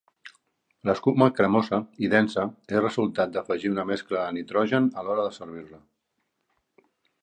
L'escuma cremosa i densa és resultat d'afegir una mescla de nitrogen a l'hora de servir-la.